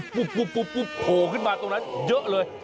ปุ๊บปุ๊บปุ๊บปุ๊บโหขึ้นมาตรงนั้นเยอะเลย